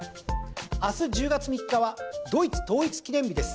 明日１０月３日はドイツ統一記念日です。